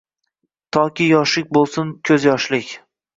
Toki yoshlik bo’lsin ko’zyoshlik